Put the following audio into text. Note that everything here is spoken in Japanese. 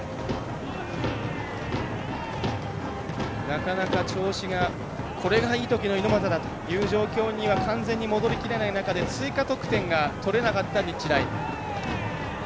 なかなか調子がこれがいいときの猪俣だという状況には完全には戻りきらない中で追加得点が取れなかった日大。